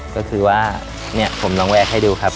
ก็คือว่าเนี่ยผมลองแวกให้ดูครับ